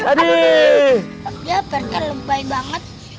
ya parete lembain banget